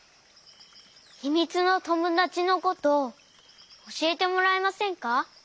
ひみつのともだちのことおしえてもらえませんか？